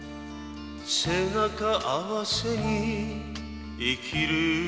「背中合わせに生きるよりも」